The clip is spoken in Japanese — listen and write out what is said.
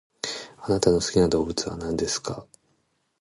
あなたの好きな動物は何ですか？